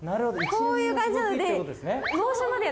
こういう感じなので。